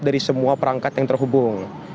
dari semua perangkat yang terhubung